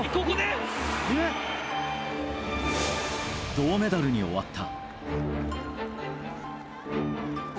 銅メダルに終わった。